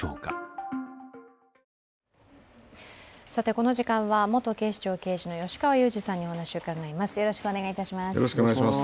この時間は元警視庁刑事の吉川祐二さんにお話を伺います。